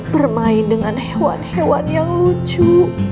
bermain dengan hewan hewan yang lucu